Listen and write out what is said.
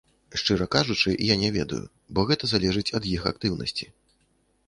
Шчыра кажучы, я не ведаю, бо гэта залежыць ад іх актыўнасці.